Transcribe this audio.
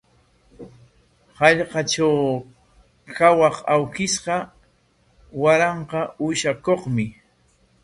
Hallqatraw kawaq awkishqa waranqa uushayuqmi.